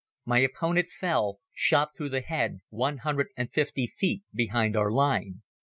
My opponent fell, shot through the head, one hundred and fifty feet behind our line.